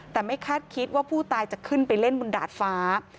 แต่ไม่คาดคิดว่าผู้ตายจะขึ้นไปเล่นบนดาดฟ้า